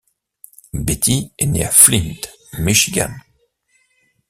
Betty est née à Flint, Michigan.